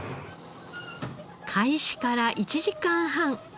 開始から１時間半。